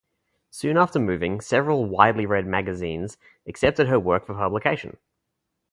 Soon after moving, several widely read magazines accepted her work for publication.